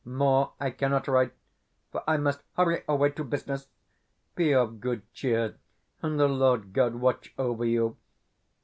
More I cannot write, for I must hurry away to business. Be of good cheer, and the Lord God watch over you!